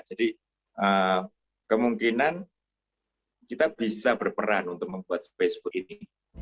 jadi kemungkinan kita bisa berperan untuk membuat space food ini